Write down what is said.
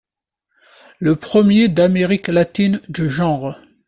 Le premier d'Amérique Latine du genre.